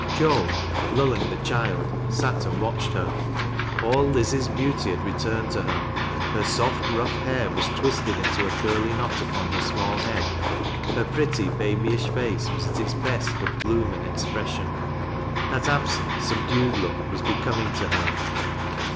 Joan, lulling the child, sat and watched her. All Liz's beauty had returned to her. Her soft, rough hair was twisted into a curly knot upon her small head, her pretty, babyish face was at its best of bloom and expression — that absent, subdued look was becoming to her.